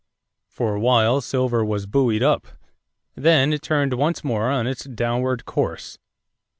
For a while silver was buoyed up. Then it turned once more on its downward course.